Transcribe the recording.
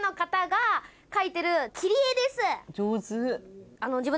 上手。